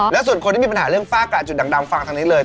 แล้วส่วนคนที่มีปัญหาเรื่องฝ้ากาดจุดดังฟังทางนี้เลย